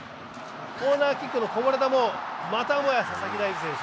コーナーキックのこぼれ球をまたもや佐々木大樹選手。